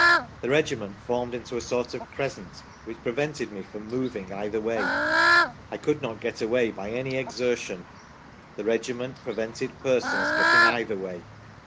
The regiment formed into a sort of crescent, which prevented me from moving either way. I could not get away by any exertion. The regiment prevented persons getting either way